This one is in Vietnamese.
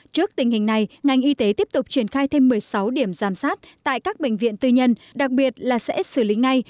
trước tình hình này ngành y tế tiếp tục triển khai thêm một mươi sáu điểm giám sát tại các bệnh viện tư nhân đặc biệt là sẽ xử lý ngay